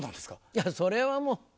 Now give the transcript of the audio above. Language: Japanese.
いやそれはもう。